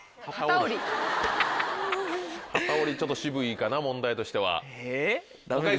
機織りちょっと渋いかな問題としては。